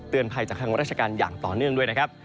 ภัยจากทางราชการอย่างต่อเนื่องด้วยนะครับ